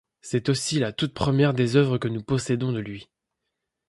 C'est aussi la toute première des œuvres que nous possédons de lui.